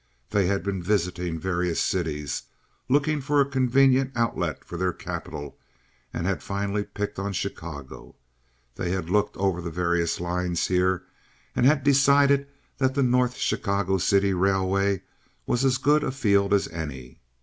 They had been visiting various cities, looking for a convenient outlet for their capital, and had finally picked on Chicago. They had looked over the various lines here, and had decided that the North Chicago City Railway was as good a field as any.